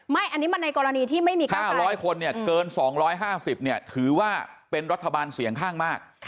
อันนี้มันในกรณีที่ไม่มี๙๐๐คนเนี่ยเกิน๒๕๐เนี่ยถือว่าเป็นรัฐบาลเสียงข้างมาก